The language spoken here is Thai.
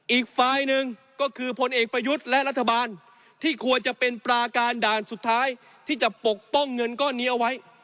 อีกฝ่ายหนึ่งก็คือพลเอกประยุทธ์และรัฐบาลที่ควรจะเป็นปราการด่านสุดท้ายที่จะปกป้องเงินก้อนนี้เอาไว้